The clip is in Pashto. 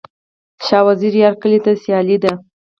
شاه وزیره یاره، کلي دي سیالي ده